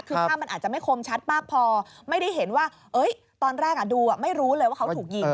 คือภาพมันอาจจะไม่คมชัดมากพอไม่ได้เห็นว่าตอนแรกดูไม่รู้เลยว่าเขาถูกยิง